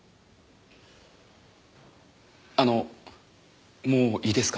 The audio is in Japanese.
あのもういいですか？